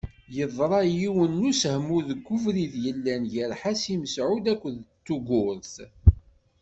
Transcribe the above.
Yeḍṛa yiwen n usehwu deg ubrid yellan gar Ḥasi Mesεud akked Tugurt.